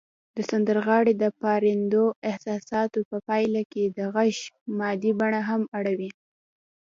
د سندرغاړي د پارندو احساساتو په پایله کې د غږ مادي بڼه هم اوړي